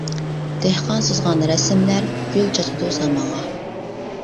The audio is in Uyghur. دېھقان سىزغان رەسىملەر، گۈل چاچىدۇ زامانغا.